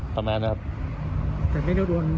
แต่ไม่ต้องโดน